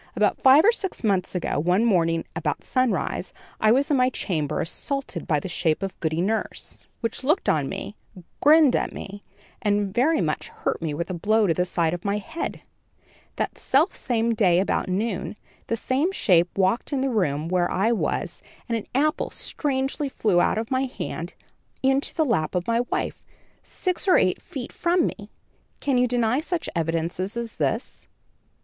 "About five or six months ago, one morning about sunrise, I was in my chamber assaulted by the shape of Goody Nurse, which looked on me, grinned at me, and very much hurt me with a blow on the side of my head. That selfsame day, about noon, the same shape walked in the room where I was, and an apple strangely flew out of my hand, into the lap of my wife, six or eight feet from me. Can you deny such evidences as this?"